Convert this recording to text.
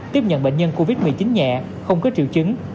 tiếp nhận bệnh nhân covid một mươi chín nhẹ không có triệu chứng